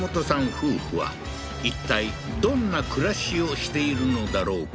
夫婦はいったいどんな暮らしをしているのだろうか？